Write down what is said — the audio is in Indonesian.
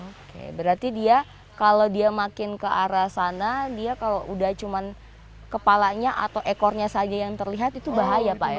oke berarti dia kalau dia makin ke arah sana dia kalau udah cuma kepalanya atau ekornya saja yang terlihat itu bahaya pak ya